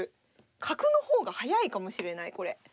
角の方が速いかもしれないこれ。